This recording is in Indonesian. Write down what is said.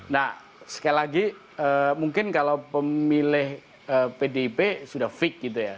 nah sekali lagi mungkin kalau pemilih pdip sudah fik gitu ya